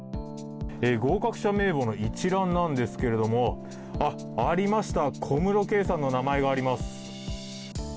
合格者名簿の一覧なんですけれどもありました、小室圭さんの名前があります。